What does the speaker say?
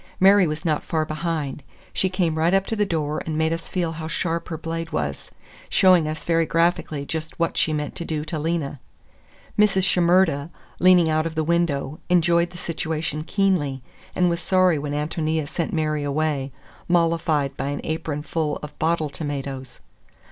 Mary was not far behind; she came right up to the door and made us feel how sharp her blade was, showing us very graphically just what she meant to do to Lena. Mrs. Shimerda, leaning out of the window, enjoyed the situation keenly, and was sorry when Ántonia sent Mary away, mollified by an apronful of bottle tomatoes.